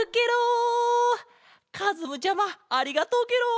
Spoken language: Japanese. かずむちゃまありがとうケロ！